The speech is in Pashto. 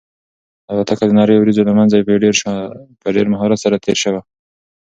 الوتکه د نريو وريځو له منځه په ډېر مهارت سره تېره شوه.